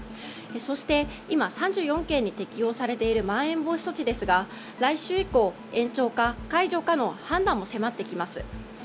そして、３４県に適用されているまん延防止措置ですが来週以降、延長か解除かの判断を迫ってきます。